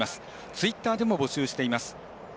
ツイッターでも募集しています。